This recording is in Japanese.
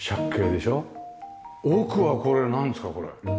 奥はこれなんですか？